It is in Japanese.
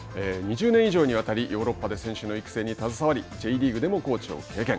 ２０年以上にわたりヨーロッパで選手の育成に携わりＪリーグでもコーチを経験。